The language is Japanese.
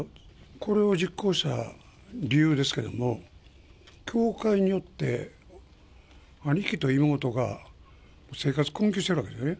これを実行した理由ですけども、教会によって、兄貴と妹が生活困窮しているわけですよね。